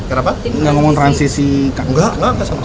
enggak ngomong transisi enggak enggak sama sekali